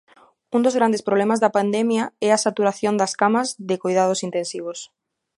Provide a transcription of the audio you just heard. Un dos grandes problemas da pandemia é a saturación das camas de coidados intensivos.